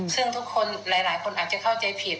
ซึ่งทุกคนหลายคนอาจจะเข้าใจผิด